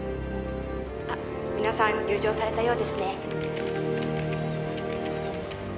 「あ皆さん入場されたようですね」